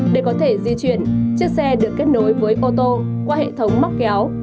để có thể di chuyển chiếc xe được kết nối với ô tô qua hệ thống móc kéo